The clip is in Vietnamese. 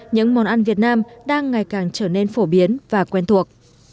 những món ăn việt nam đang ngày càng trở nên phổ biến và quen thuộc